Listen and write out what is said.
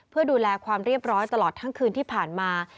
เพื่อดูแลความเรียบร้อยตลอดทั้งคืนที่ผ่านมา